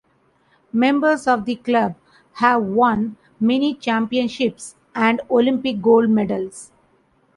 Members of the club have won many championships and Olympic gold medals.